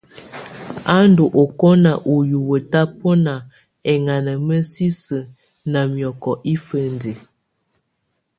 Á ndù ɔkɔna ú hiwǝ́ tabɔnà ɛŋana mǝsisǝ na miɔkɔ ifǝndiǝ.